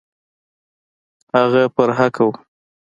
هغه پر حقه وو.